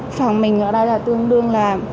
phòng mình ở đây tương đương là